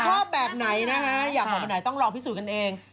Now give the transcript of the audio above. ชอบแบบไหนนะคะอยากบอกแบบไหนต้องลองพิสูจน์กันเอง